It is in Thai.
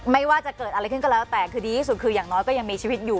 ไม่ว่าจะเกิดอะไรขึ้นก็แล้วแต่คือดีที่สุดคืออย่างน้อยก็ยังมีชีวิตอยู่